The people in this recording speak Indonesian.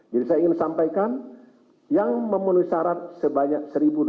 saya ingin sampaikan yang memenuhi syarat sebanyak satu dua ratus